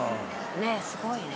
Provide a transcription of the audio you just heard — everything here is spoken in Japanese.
ねえすごいね。